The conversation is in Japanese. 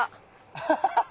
アハハハハ。